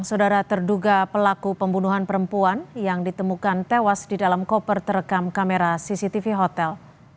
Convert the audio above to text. saudara terduga pelaku pembunuhan perempuan yang ditemukan tewas di dalam koper terekam kamera cctv hotel